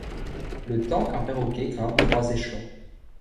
Le temps qu'un perroquet grimpe trois échelons